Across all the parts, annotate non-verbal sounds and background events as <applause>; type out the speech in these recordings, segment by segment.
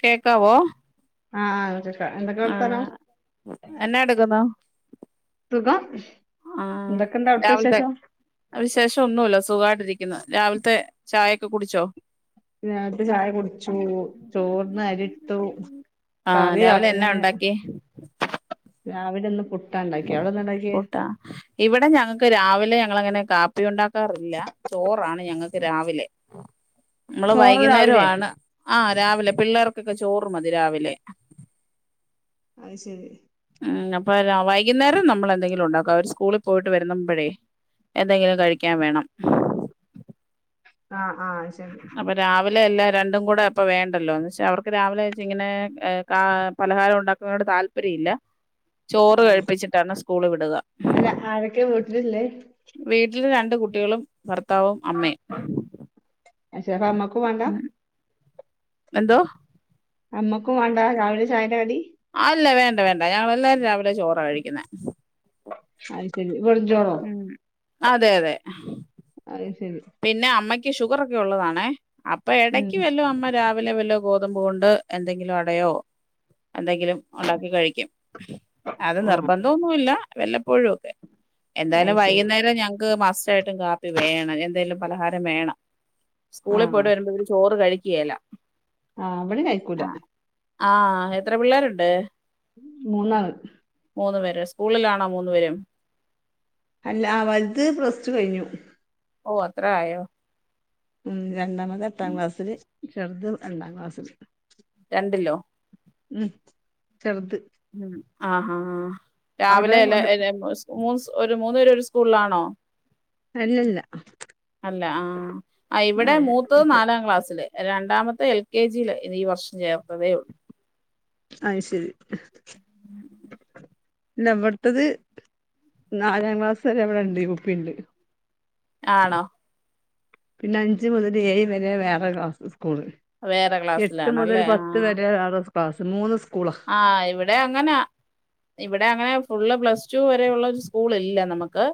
കേക്കാവോ ആഹ്ആഹ് കേക്കാംഎന്തൊക്കെ വർത്താനം സബാ സുഖംഎന്തൊക്കെണ്ട് അവിടുത്തെ രാവിലത്തെ വിശേഷം വിശേഷം ഒന്നുമല്ല സുഖമായിട്ടിരിക്കുന്നു രാവിലത്തെ ചായൊക്കെ കുടിച്ചോ രാവിലത്തെചായ കുടിച്ചു ചോറിന്ന് അരിട്ടു ആഹ് കറി രാവിലെ ആയി എന്നാ ണ് ഉണ്ടാക്കി രാവിലെ ഇന്ന് പുട്ട് പുട്ടാ ഇവിടെ ഞങ്ങൾക്ക് രാവിലെ ഞങ്ങളങ്ങനെ കാപ്പി ഉണ്ടാക്കാറില്ല ചോറാണ് ഞങ്ങൾക്ക് രാവിലെ നമ്മള് ചോറ് വൈകുന്നേര രാവിലെ ആണ് ആ രാവിലെ പിള്ളേർക്കൊക്കെ ചോറ് മതി രാവിലെ അഹ് ശരി മ് അപ്പം വൈകുന്നേരം നമ്മെ ൾ എന്തെങ്കിലും ഉണ്ടാക്കും അവര് സ്കൂളിൽ പോയിട്ട് വര്ന്നപ്പളെ എന്തെങ്കിലും കഴിക്കാൻ വേണം ആഹ് ആ ശരി അപ്പോ രാവിലെ എല്ലാം രണ്ടും കൂടെ അപ്പോൾ വേണ്ടല്ലോ ന്ന് വെച്ചാ അവർക്ക് രാവിലെ വെച്ച ഇങ്ങനെ കാ പലഹാലം ഉണ്ടാക്കുന്നോട് താല്പര്യം ഇല്ല ചോറ് ആഹ് കഴിപ്പിച്ചിട്ടാണ് സ്കൂള് വിടുക അല്ല ആരൊക്കെ വീട്ടിലിള്ളെ വീട്ടിൽ രണ്ട് കുട്ടികളും ഭർത്താവും അമ്മയും അപ്പോ അമ്മക്കും വേണ്ടാ ഉം. എന്തോ അമ്മക്കും വേണ്ട രാവിലെ ചായന്റെ കടി അല്ല വേണ്ട വേണ്ട ഞങ്ങളെല്ലാവരും രാവിലെ ചോറ കഴിക്കുന്ന അത് ശരി വെറുംചോറോ ഉം അതെ അതെ അത് ശരി പിന്നെ അമ്മയ്ക്ക് ഷുഗർ ഒക്കെ ഉള്ളതാണേ അപ്പൊ ഉം ഇടക്ക് വല്ലും അമ്മ രാ വല്ല വല്ലോ ഗോതമ്പ് കൊണ്ട് എന്തെങ്കിലും അടയോ എന്തെങ്കിലും ഉണ്ടാക്കി കഴിക്കും അത് ആഹ് നിർബന്ധം ഒന്നുല്ല വല്ലപ്പോഴും ഒക്കെ അത് എന്തായാലും ശരി വൈകുന്നേരം ഞങ്ങക്ക് മസ്റ്റായിട്ടും കാപ്പി വേണം എന്തായാലും പലഹാരം വേണം സ്കൂളിൽ ആഹ് പോയിട്ട് വരുമ്പോ ഇവര് ചോറ് കഴിക്കേല്ല ആഹ് ഇവടീം കഴിക്കൂല ആഹ് എത്ര പിള്ളാരുണ്ട് മൂന്നാള് മൂന്നു പേരൊ സ്കൂളിലാണോ മൂന്നു പേരും അല്ല വല്ത് പ്ലസ് ടു കഴിഞ്ഞു ഓ അത്രെ ആയോ ഉം രണ്ടാമത് എട്ടാം ക്ലാസ്സില് ചെറുത് രണ്ടാം ക്ലാസ്സില് രണ്ടിലോ ഉം ചെറുത് ഉം ആഹ് ആഹ് ആഹ് അവിടെ രാവിലെ എല്ല വലു എ ഴെ മ സ്കു മൂന്ന് സ്‌ ഒരു മൂന്ന് പേരും ഒരു സ്കൂളിലാണോ അല്ലല്ല അല്ല ആഹ് അ ഇവിടെ ഏഹ് മൂത്തത് നാലാം ക്ലാസ്സില് രണ്ടാമത്തെ എൽ കെ ജിയിലാ ഇത് ഈ വർഷം ചേർത്തതേ ഉള്ളൂ അത് ശരി ഇല്ല ഇവിടുത്തത് നാലാം ക്ലാസ് വരെ ഇവിടെണ്ട് യു പി ഇണ്ട് ആണോ പിന്നെ അഞ്ച് മുതല് ഏഴ് വരെ വേറെ ക്ലാസ്സ് സ്കൂള് വേറെ എട്ട് മുതൽ ക്ലാസ്സിലാണല്ലേ പത്ത് ആഹ് വരെ വേറൊരു ക്ലാസ്സ് മൂന്ന് സ്കൂളാ ആഹ് ഇവിടേം അങ്ങനാ ഇവിടെ അങ്ങനെ ഫുള്ള് പ്ലസ് ടു വരെയുള്ളൊരു സ്കൂളില്ല നമ്മക്ക്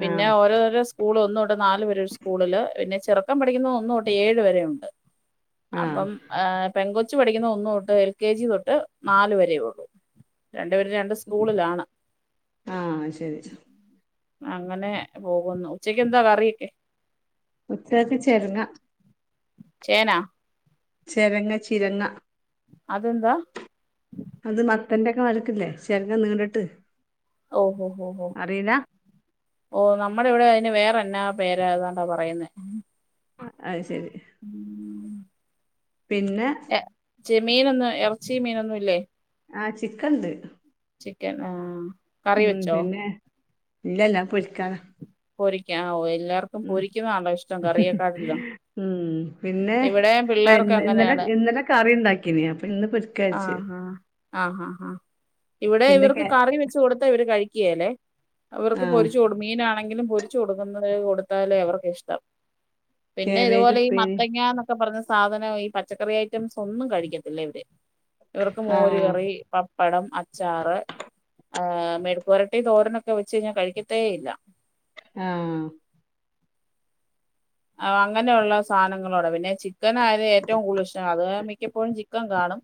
പിന്നെ ആഹ് ഓരോരോ സ്‌ സ്കൂള് ഒന്ന് തൊട്ട് നാല് വരെയൊരു സ്കൂളില് പിന്നെ ചെറുക്കൻ പഠിക്കുന്നത് ഒന്ന് തൊട്ട് ഏഴു വരെയൊണ്ട് ആഹ് അപ്പം പെൺകൊച്ചു പഠിക്കുന്ന ഒന്ന് തൊട്ട് എൽ കെ ജി തൊട്ട് നാലു വരേ ഒള്ളൂ രണ്ടുപേരും രണ്ട് സ്കൂളിലാണ് ആഹ് ശരി ശ അങ്ങനെ പോകുന്നു ഉച്ചക്ക് എന്താ കറിയക്കെ ഉച്ചക്കത്തെ ചെരങ്ങ ചേനാ ചെരങ്ങ ചിരങ്ങ. അതെന്താ അത് മത്തന്റക്ക മാതിരിക്ക്ല്ലേ ചെരങ്ങാ നീണ്ടിട്ട് ഓഹ്‌ ഓഹ് അറിയില്ല ഓഹ്‌, നമ്മടെ ഇവിടെ അയിന് വേറെന്നാ പേരേതാണ്ടാ പറയുന്നേ അത് ശെരി. <inaudible> പിന്നെ ചെമ്മീനൊന്നും എറച്ചിം മീനൊന്നും ഇല്ലേ ആഹ് ചിക്കൻണ്ട്. ചിക്കൻ ആഹ് ഹ്മ്മ്, പിന്നെ ഇല്ലല്ലാ അത് പൊരിക്കാനാ പൊരിക്കാൻ ഓഹ് എല്ലാർക്കും പൊരിക്കുന്നതാണല്ലോ ഇഷ്ടം കറി വെക്കാനറ്റൂലാ ഹ്മ്മ് പിന്നെ ഇന്ന് ഇന്നലെ അങ്ങനെയാണ് ഇന്നലെ കറി ഇണ്ടാക്കീനി അപ്പൊ ഇന്ന് പൊരിക്കാരാര്ച്ച് ആഹ് ആഹ് ആഹ് ആഹ് ഇവിടെ പിന്നെ ഇവർക്ക് കേ കറി വെച്ച് കൊടു ത്താ ഇവര് കഴിക്കേലെ അവർക്ക് ആഹ് പൊരിച്ചു കൊടു മീനാണെ ങ്കിലും പൊരിച്ചു കൊടുക്കുന്നത് കൊടുത്താലേ അവർക്കിഷ്ടം. പിന്നെ കാബേജ് ഇതുപോലെ ഈ ഉപ്പേരി മത്തങ്ങ പ ക്കെ പറഞ്ഞ സാധനം ഈ പച്ചക്കറി ഐറ്റംസൊന്നും കഴിക്കത്തില്ല ഇവര് ഇവർക്ക് മോര് ആഹ് കറി പപ് പടം അച്ചാറ്, ഏഹ് മെഴുക്കുപൊരട്ടി തോരനൊക്കെ വെച്ച് കഴിഞ്ഞാ കഴിക്കത്തേ ഇല്ല ആഹ് ആഹ്‌ അങ്ങനെയുള്ള സാധനങ്ങളോട് പിന്നെ ചിക്കനായത് ഏറ്റവും കൂടുതലിഷ്ടം അത് മിക്കപ്പോഴും ചിക് ക്കൻ കാണും.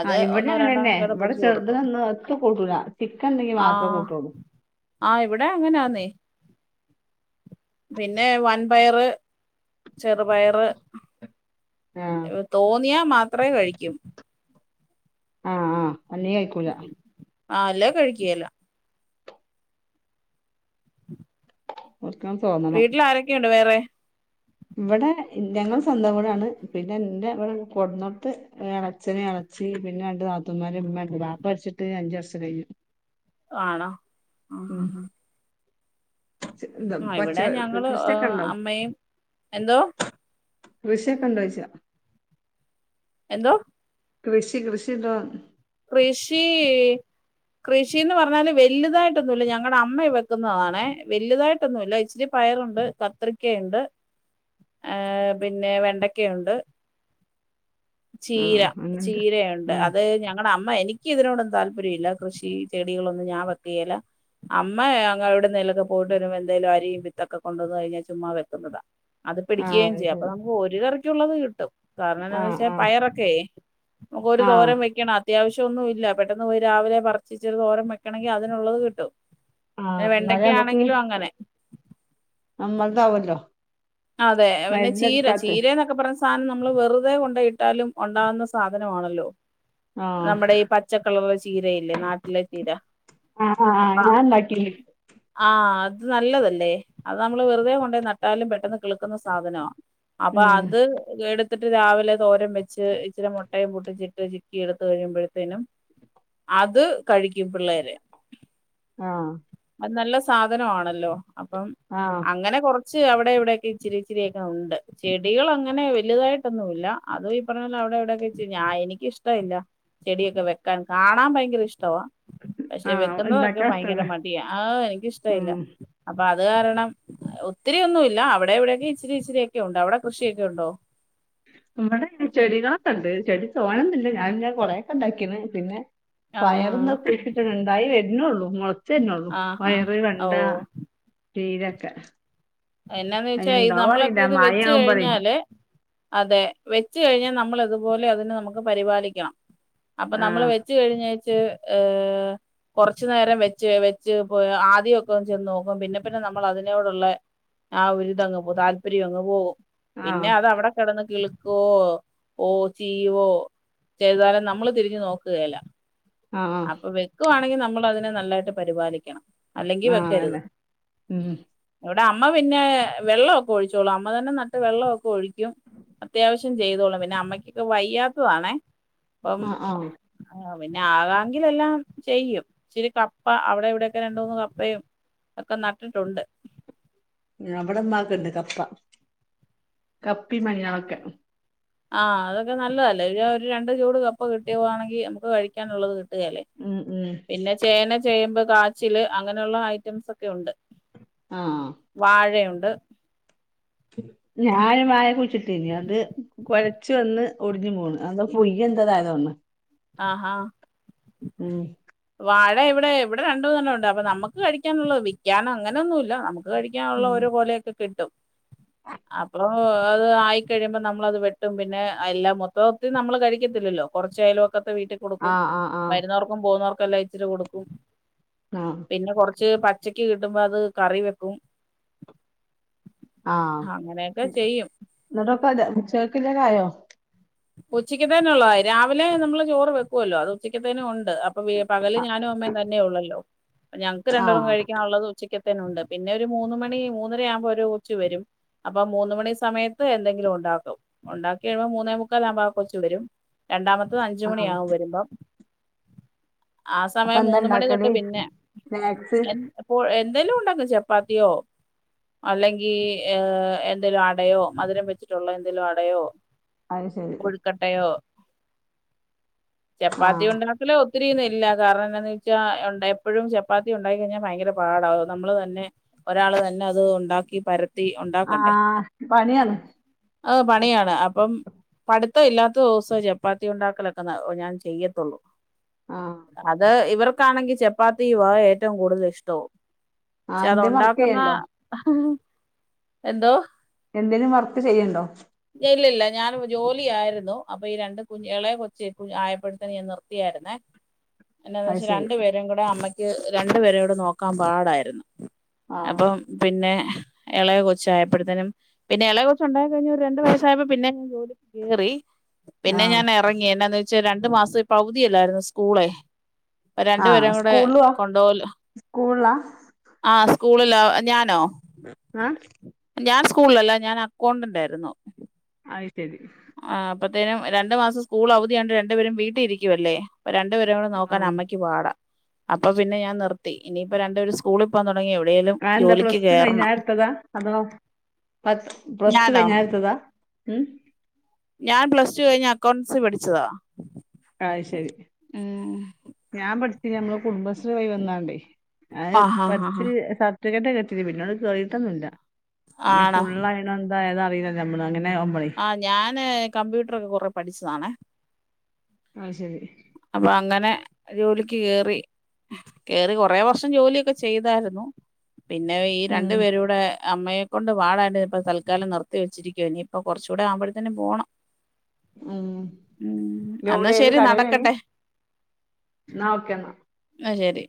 അത് ആഹ് ഇവടിം ഒന്നോ അങ്ങന രണ്ടോ തന്നെ ഒക്കെ ഇവിട പൊരിച്ച് കൊടുക്കും ചെറുതിനൊന്ന് ഒത്തു കൂട്ടൂല ചിക്കൻ ഇണ്ടെങ്കി മാത്രം ആഹ് കൂട്ടൊള്ളൂ ആഹ് ഇവടെ അങ്ങനാന്നെ <inaudible> പിന്നെ വൻ പയറ് ചെറുപയറ് ആഹ് ഏഹ് തോന്നിയാ മാത്രേ കഴിക്കു ആഹ് ആഹ് അല്ലേ കഴി ആ അല്ലേ കഴിക്കിയേല്ലാ <unintelligible> വീട്ടിലാരൊക്കെയുണ്ട് വേറെ ഇവിടെ ഞങ്ങള് സ്വന്തം വീടാണ്. പിന്നെ ഇന്റെ ഇവിടെ കൊണ്ടന്നോട്ട്ത്ത് ഒര് എളച്ഛനും എള ച്ചിയും പിന്നെ രണ്ട് നാത്തൂമ്മാര് ഇമ്മണ്ട് വാപ്പ മരിച്ചിട്ട് അഞ്ചു വർഷം കഴഞ്ഞ് ആണോ ആഹ് എന്താ ആഹ് പച്ച ഇവിടെ ഞങ്ങള് കൃഷിയൊക്കെ ഇണ്ടോ അമ്മയും എന്തോ കൃഷിയൊക്കെ ഇണ്ടോച്ചാ എന്തോ കൃഷി കൃഷിണ്ടോന്ന് കൃഷി കൃഷിന്ന് പറഞ്ഞാല് വലുതായിട്ടൊന്നുല്ല ഞങ്ങളുടെ അമ്മ വെക്കുന്നതാണേ വലുതായിട്ടൊന്നുല്ല ഇച്ചിരി പയറുണ്ട് ബത്രിക്കയുണ്ട് ഏഹ് പിന്നെ വെണ്ടയുണ്ട് ചീര ആഹ് അങ്ങനെണ്ട് ചീരയുണ്ട് ഉം അ ത് ഞങ്ങളുടെ അമ്മ എനിക്ക് ഇതിനോടും താല്പര്യല്ല കൃഷി ചെടികളൊന്നും ഞാൻ വെക്കുയേല്ലാ അമ്മ അവിട്ന്ന് ഇതിലെയൊക്കെ പോയിട്ട് വരു എന്തേലും അരിയും വിത്തൊക്കെ കൊണ്ടന്നു കഴിഞ്ഞാചുമ്മാ വെക്കുന്നതാ അത് ആഹ് പിടിക്കേം അത് ചെയ്യും അപ്പൊ ശരി നമുക്ക് ഒര് കറിക്കുള്ളത് കിട്ടും. കാരണം എന്താന്ന് ആഹ് വെച്ചാ ആഹ് പായറൊക്കെ നമുക്കൊരു ആഹ് തോരൻ വെക്കണം അത്യാവിശൊന്നുല്ല പെട്ടൊന്ന് പോയി രാവിലെ പറിച്ച് ഇച്ചിരി തോരൻ വെക്കണമങ്കിൽ അതിനുള്ളത് കിട്ടും. എ ആഹ് എന്നാലേ വെണ്ടക്കാണെങ്കിലും അങ്ങനെ നമ്മൾക്കാവല്ലോ അതെ പിന്നെ ചീര ചീരേ എന്നൊക്കെ പറഞ്ഞ സാധനം നമ്മള് വെറുതെ കൊണ്ട ഇട്ടാലും ഉണ്ടാാവുന്ന സാധനമാണല്ലോ ആഹ് നമ്മുടെ ഈ പ ച്ചക്കളറുള്ള ചീരയില്ലേ നാട്ടിലെ ചീര അ ആഹ് ആ അപ്പൊ ഞാൻ ണ്ടക്കി ആ അത് നല്ലതല്ലേ അത് നമ്മള് വെറുതെ കൊണ്ടോയി നട്ടാലും പെട്ടെന്ന് കിളുക്കുന്ന സാധനവാ അപ്പൊ ഉം അത് എടുത്തിട്ട് രാവിലെ തോരം വെച്ച് ഇച്ചിരി മു ട്ടൈം പൊട്ടിച്ചിട്ട് ചിക്കി എടുത്ത് കഴുമ്പോഴത്തേനും അത് കഴിക്കും പിള്ളേര് ആഹ് അത് നല്ല സാധനമാണല്ലോ അപ്പം ആഹ് അങ്ങനെ കൊറച്ച് അവിടെ ഇവിടെക്കെ ഇച്ചിരി ഇച്ചിരിയൊക്കെ ഉണ്ട് ചെടികള് അങ്ങനെ വലുതായിട്ടൊന്നുമില്ല അതും ഈ പറഞ്ഞപോലെ അവിടെ ഇവിടെയൊക്കെ ഇച്ചി ഞാൻ എനിക്കിഷ് ടവില്ല ചെടിയൊക്കെ വെക്കാൻ കാണാൻ ഭയങ്കര ഇഷ്ടവാ പക്ഷെ ആഹ് വെക്കുന്നതൊക്കെ ഉണ്ടാക്കാൻ ഭയങ്കര ഇഷ്ടല്ലേ മ ടിയാ ആഅ് എനിക്ക് ഇഷ്ടവില്ല ഉം അപ്പൊ അത് കാരണം ഒത്തിരിയൊ ഒന്നും ഇല്ല അവിടെ എവിടെ ക് ഇച്ചിരി ഇച്ചിയൊക്കെ ഉണ്ട് അവിടെ പക്ഷേ ഇത് ഉണ്ടോ നമ്മടെ ചെടികളത്തണ്ട് ചെടി തോണന്നില്ല ഞാൻ ഞൻ കൊറെയൊക്കെ ഉണ്ടാക്കിന്ന് പിന്നെ ആഹ് വയറന്നട്ടിട്ടുണ്ടായി വരുന്നോള്ളു മുളച്ച് വന്നോള്ളു ആഹാ പയറ് ഓ വെണ്ട ചീരക്കെ അ എന്നാന്ന് വെച്ചാ ഈ നമ്മളൊക്കെ ഇത് മഴ വെച്ച് ആവുമ്പളേ കഴിഞ്ഞാല് അതെ വെച്ച് കഴിഞ്ഞാൽ നമ്മൾ ഇതുപോലെ അതിനെ നമുക്ക് പരിപാലിക്കണം അപ്പൊ നമ്മൾ ആഹ് വെച്ച് ച്ച് കഴിഞ്ഞേച്ച് ഏ് കൊറച്ചു നേരം വെച്ച് വെച്ച് പോയ് ആദ്യമൊക്കെ ചെന്ന് നോക്കും പിന്നെ പിന്നെ നമ്മൾ അതിനോടുള്ള ആ ഒരിതങ്ങ് പോ താല്പര്യം അങ്ങ് പോകും ആഹ് പിന്നെ അത് അവിടെ കിടന്ന് കിൾ ക്കോ ഓ ചീയ്യുവോ ചെയ്താലും നമ്മള് തിരിഞ്ഞു നോക്കുകേല്ല ആഹ് അപ്പൊ വെക്കുവാണെങ്കിൽ നമ്മൾ അതിനെ നല്ലായിട്ട് പരിപാലിക്കണം അല്ലെങ്കി ആഹ് വെക്കരുത് അന്നെ ഉം ഇവിടെ അമ്മ പിന്നെ വെള്ളം ഒക്കെ ഒഴിച്ചോളും അമ്മ തന്നെ നട്ട് വെള്ളമൊക്കെ ഒഴിക്കും അത്യാവശ്യം ചെയ്തോളും പിന്നെ അമ്മയ്ക്കൊക്കെ വയ്യാത്തതാണേ അപ്പം ആഹ് ആഹ് ആഹ് പിന്നെ ആകാൻ വീട്ടിൽ എല്ലാം ചെയ്യും ഇച്ചിരി കപ്പ അവിടെ ഇവിടെ ഒക്കെ രണ്ട് മൂന്ന് കപ്പയും ഒക്കെ നട്ടിട്ടുണ്ട് അവിടുമ്മാക്കൊണ്ട് കപ്പ കപ്പി മഞ്ഞളൊക്കെ ആഹ് അതൊക്കെ നല്ലതല്ലേ ഒരു ഒരു രണ്ട് ചൂട് കപ്പ കിട്ടിയുകവാണെങ്കി നമുക്ക് കഴിക്കാനുള്ളത് കിട്ടുകേലേ ഉം ഉം പിന്നെ ചേന ചേമ്പ് കാച്ചില് അങ്ങനെയുള്ള ഐറ്റംസ്‌ ഒക്കെ ഉണ്ട് ആഹ് വാഴയൊണ്ട് ഞാന് വായ കുഴിച്ചിട്ടേനി അത് കൊഴച്ചു വന്ന് ഒടിഞ്ഞ് പോണ് അത് പുയു എന്തതായതാണ് ആഹ് ഹാ ഉം വാഴ ഇവിടെ ഇവിടെ രണ്ടുമൂന്ന് എണ്ണം ഉണ്ട് അപ്പൊ നമുക്ക് കഴിക്കാനുള്ളത് വിക്കാൻ അങ്ങനൊന്നുമില്ല നമുക്ക് മുക്ക് കഴിക്കാനുള്ള ഉം ഒരു കൊലയൊക്കെ കിട്ടും അപ്പോ അത് ആയിക്കഴിയുമ്പോ നമ്മളത് വെട്ടും പിന്നെ എല്ലാം മൊത്തത്തി നമ്മൾ കഴിക്കത്തില്ലല്ലോ കൊറച്ച് അയൽവക്കത്തെ വീട്ടിൽ കൊടുക്കും ആഹ് ആഹ് ആഹ് വരുന്നവർക്കും പോകുന്നവർക്കും എല്ലാം ഇച്ചിരി കൊടുക്കും ആഹ് പിന്നെ കൊറച്ച് പച്ചക്ക് കിട്ടുമ്പോ അത് കറി വെക്കും ആഹ് അങ്ങനെയൊക്കെ ചെയ്യും എന്നിട്ട് ഇപ്പോ അത് ഉച്ചയ്ക്കുള്ളത് ആയോ ഉച്ചക്കത്തെനുള്ളതായി രാവിലെ നമ്മള് ചോറ് വെക്കുവല്ലോ അത് ഉച്ചക്കത്തെനും ഉണ്ട് അപ്പൊ വീ പകല് ഞാനും അമ്മേം തന്നെ ഉള്ളല്ലോ പ്പ ഞങ്ങക്ക് രണ്ട് പേർക്കും ആഹ് കഴിക് നുള്ളത് ഉച്ചക്കത്തെന് ഉണ്ട് പിന്നെ ഒരു മൂന്ന് മണി മൂന്നര ആവുമ്പോ ഒരു കൊച്ച് വരും അപ്പൊ മൂന്ന് മണി സമയത്ത് എന്തെങ്കിലും ഉണ്ടാക്കും ഉണ്ടാക്കി കഴിയുമ്പോ മൂന്നേ മു- - ക്കാലാവുമ്പോ ആ കൊച്ച് വരും രണ്ടാമത്തത് അഞ്ച് ആഹ് മണിയാവും വരുമ്പം ആ അപ്പൊ സമയം എന്താ മൂന്ന് മണി ഇണ്ടാക്കല് തൊട്ട് പിന്നെ സ്നാക്സ് എൻ അപ്പോ എന്തെലും ഉണ്ടാക്കും ചപ്പാത്തിയോ അല്ലെങ്കി ഏഹ് എന്തെലും അടയോ മധുരം വെച്ചിട്ടുള്ള എന്തെലും അടയോ അത് ശരി കട്ടയോ ചപ്പാത്തി ആഹ് ഉണ്ടാ - - ല്ല ഒത്തിരിയൊന്നും ഇല്ല കാരണം എന്താന്ന് വെച്ചാ എപ്പോഴും ചപ്പാത്തി ഉണ്ടാക്കി കഴിഞ്ഞാൽ ഭയങ്കര പാടാ നമ്മള് തന്നെ ഒരാള് തന്നെ അത് ഒണ്ടാക്കി പരത് - - ത്തി ഒണ്ടാക്കണ്ടേ ആഹ് പണിയാണ് അത് പണിയാണ് അപ്പം പഠിത്തം ഇല്ലാത്ത ദിവസം ചപ്പാത്തി ഉണ്ടാക്കലൊക്കെ ന ഞാൻ ചെയ്യത്തോളു ആഹ് അത് ഇവർക്കാണെങ്കിൽ ചപ്പാത്തിയും ആ ഏറ്റവും കൂടുതൽ ഇഷ്ടവും പക്ഷെ ആഹ് അത് എന്തേം വർക്ക് ഒണ്ടാക്കുന്ന ചെയ്യ്ണ്ടോ എന്തോ എന്തേലും വർക്ക് ചെയ്യണ്ടോ ഇല്ലില്ല ഞാൻ ജോലി ആയിരുന്നു അപ്പൊ ഈ രണ്ട് കുഞ്ഞ് എളയ കൊച്ച് ആയപ്പഴുത്തെന് ഞാൻ നിർത്തി ർത്തിയാരുന്നേ എന്നാന്ന് അത് വെച്ചാ ശരി രണ്ടു പേരും കൂടെ അമ്മയ്ക്ക് രണ്ടുപേരേം കൂടെ നോക്കാൻ പാടായിരുന്നു ആഹ് അപ്പം പിന്നെ എളയ കൊച്ച് ആയപ്പോഴത്തേനും പിന്നെ എളയ കൊച്ച് ഒണ്ടായി കഴിഞ്ഞ് ഒരു രണ്ട് രണ്ട് വയസായപ്പോ പിന്നെ ഞാൻ ജോലിക്ക് കയറി പിന്നെ ആഹ് ഞാൻ എ - - എറങ്ങി എന്നാന്ന് വെച്ചാ രണ്ടു മാസം ഇപ്പൊ അവധി അല്ലാരുന്നോ സ്കൂളെ അപ്പൊ രണ്ടു ആഹ് പേരേം കൂടെ സ്കൂളുവാ കൊണ്ടുപോവില്ല സ്കൂളിലാ ആ സ്കൂളിലാ ഞാനോ ആഹ് ഞാൻ സ്കൂളിലല്ലഞാൻ അക്കൗണ്ടന്റായിരുന്നു ആയി ശെരി ആ്ഹ് അപ്പത്തെനും രണ്ണ്ട്മാസം സ്കൂൾഅവധിയാണ്ട് രണ്ടപേരും വീട്ടിഇരിക്കുവല്ലേഅപ്പൊ രണ്ടുപേരെകുടി ആഹ് നോക്കാൻമ്മക് ക്പാടാ അപ്പൊ പിന്നെ ഞാൻ നിർത്തി ഇനിയിപ്പരണ്ടേരെസ് സ്കൂളി പോവാതൊടങ്ങിയാ എവിടെലും അതെന്താ ജോലിക്ക് പ്ലസ് കേറണം പത്ത്പ്ലസ്ടു ഞാനോ കഴിഞ്ഞരെ എടുത്താത ഞാൻ പ്ലസ്ടു കഴിഞ് അക്കൗണ്ട്സി പഠിച്ചതാ അയ് ശെരി ഉം ഞാൻപഠിച്ച ഞമ്മള് കുടുംബശ്രീവഴിവന്നാണ്ടേ ആഹാ ഹാ ഹാ അയ്പഠിച് സർട്ടിഫിക്കററ്റൊക്കെ കിട്ടികന് പിനാണ്ട് കേറിട്ടൊന്നുല്ലപിന്നെ ആണോ ഫുള്ളായി ന്നന്തായാതന്നറിയില്ലല്ലോ നമ്മള് അങ്ങനാവുമ്പള് ആയ് ഞാാന് കമ്പ്യൂട്ടറൊ ക്കെകൊറെ പഠിച്ചതാണേ ആയ് ശരി അപ്പങ്ങനെ ജോലിക്ക് കേറി കേറി കൊറെവർഷം ജോലിയൊക്കെ ചെയ്തായിരുന്നു പിന്നെ ഈ ഉം രണ്ടുപേരൂടെ അമ്മയെക്കകൊണ്ട്പാടായിണ്ട് ഇപ്പ തൽക്കാലം നിർത്തിവച്ചിരിക്കുവ ഇനിയിപ്പൊ കൊറച്ചുകൂടെ ആുമ്പോഴത്തന്നെ പോണം ഉം ഉം എന്നാ എവിടെര് ശരി ന്നകടലേര്ന്ന് നടക്കട്ടെ ഇന്നാ ഓക്കേ ന്ന ശെരി